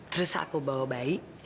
terus aku bawa bayi